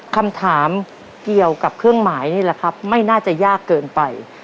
คำถามเกี่ยวกับเครื่องหมายนี่แหละครับไม่น่าจะยากเกินไป